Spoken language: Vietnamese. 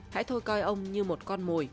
hãy thôi coi ông như một con mùi